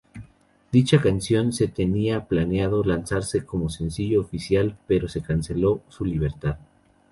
Dicha canción se tenía planeado lanzarse como sencillo oficial pero se canceló su libertad.